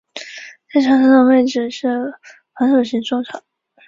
在场上的位置是防守型中场。